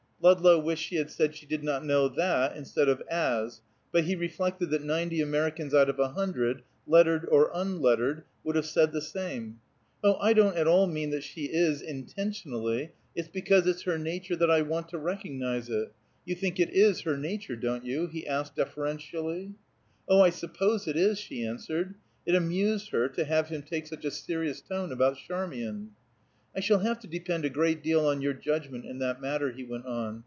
Ludlow wished she had said she did not know that instead of as, but he reflected that ninety Americans out of a hundred, lettered or unlettered, would have said the same. "Oh, I don't at all mean that she is, intentionally. It's because it's her nature that I want to recognize it. You think it is her nature, don't you?" he asked deferentially. "Oh, I suppose it is," she answered; it amused her to have him take such a serious tone about Charmian. "I shall have to depend a great deal on your judgment in that matter," he went on.